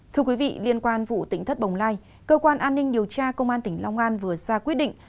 thưa quý vị liên quan vụ tỉnh thất bồng lai cơ quan an ninh điều tra công an tỉnh long an vừa ra quyết định